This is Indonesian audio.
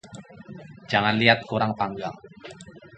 Jangat liat kurang panggang